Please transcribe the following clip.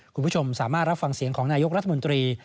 คุณผู้ชมสามารถรับฟังเสียงของนายกรัฐมนตรี